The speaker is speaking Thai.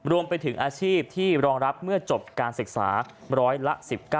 รวมไปถึงอาชีพที่รองรับเมื่อจบการศึกษาร้อยละ๑๙